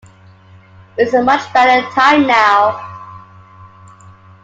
It's a much better time now.